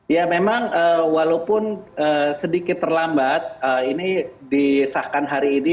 ya memang walaupun sedikit terlambat ini disahkan hari ini